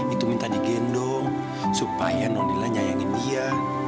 itu minta digendong supaya nodila nyayangin dia